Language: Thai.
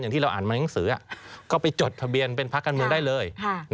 ที่เราอ่านมาหนังสือก็ไปจดทะเบียนเป็นภาคการเมืองได้เลย